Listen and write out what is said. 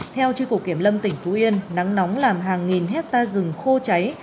theo truy cụ kiểm lâm tỉnh phú yên nắng nóng làm hàng nghìn hectare rừng khô cháy